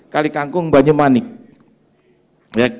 kali kangkung banyak banyak yang ada di lancur